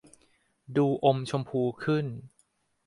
ดูอมชมพูขึ้น